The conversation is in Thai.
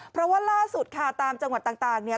เพราะว่าล่าสุดค่ะตามจังหวัดต่างเนี่ย